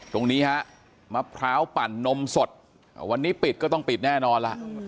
ตรงนี้ฮะมะพร้าวปั่นนมสดวันนี้ปิดก็ต้องปิดแน่นอนล่ะ